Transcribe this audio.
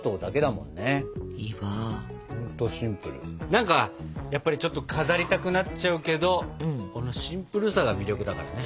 何かやっぱりちょっと飾りたくなっちゃうけどこのシンプルさが魅力だからね。